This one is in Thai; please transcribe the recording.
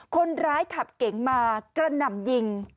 คนขับเก๋งมากระหน่ำยิง